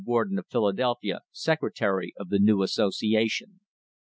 Warden of Philadelphia secretary of the new association.